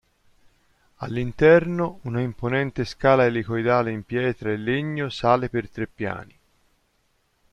All'interno, una imponente scala elicoidale in pietra e legno sale per tre piani.